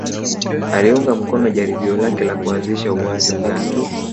Aliunga mkono jaribio lake la kuanzisha uasi Uganda